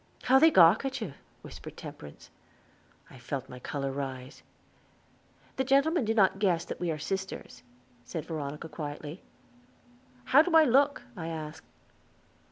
"How they gawk at you," whispered Temperance. I felt my color rise. "The gentlemen do not guess that we are sisters," said Veronica quietly. "How do I look?" I asked.